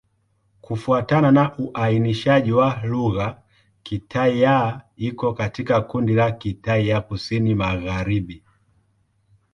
Kufuatana na uainishaji wa lugha, Kitai-Ya iko katika kundi la Kitai ya Kusini-Magharibi.